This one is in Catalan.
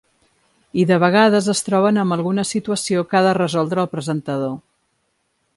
I de vegades es troben amb alguna situació que ha de resoldre el presentador.